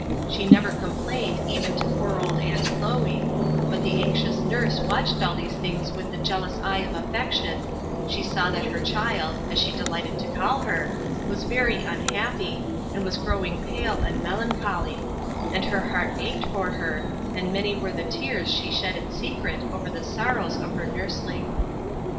She never complained even to poor old Aunt Chloe, but the anxious nurse watched all these things with the jealous eye of affection; she saw that her child as she delighted to call her was very unhappy, and was growing pale and melancholy; and her heart ached for her, and many were the tears she shed in secret over the sorrows of her nursling.